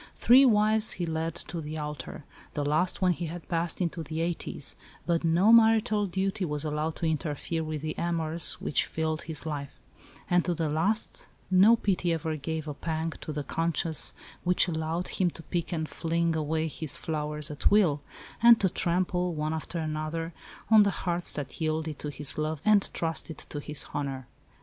Three wives he led to the altar the last when he had passed into the eighties but no marital duty was allowed to interfere with the amours which filled his life; and to the last no pity ever gave a pang to the "conscience" which allowed him to pick and fling away his flowers at will, and to trample, one after another, on the hearts that yielded to his love and trusted to his honour.